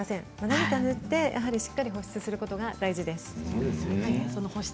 何か塗ってしっかりと保湿することが大事です。